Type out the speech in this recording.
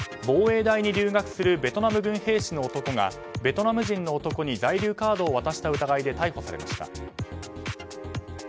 防衛大に留学するベトナム軍兵士の男がベトナム人の男に在留カードを渡した疑いで逮捕されました。